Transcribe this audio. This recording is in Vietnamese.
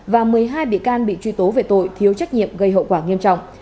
và một mươi hai bị can bị truy tố về tội thiếu trách nhiệm gây hậu quả nghiêm trọng